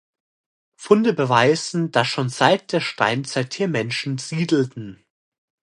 Funde beweisen, dass schon seit der Steinzeit hier Menschen siedelten.